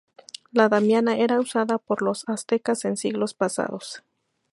La Damiana era usada por los Aztecas en siglos pasados.